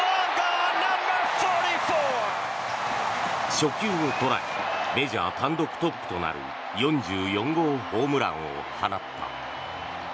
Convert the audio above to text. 初球を捉えメジャー単独トップとなる４４号ホームランを放った。